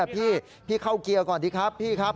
พี่เข้าเกียร์ก่อนดีครับพี่ครับ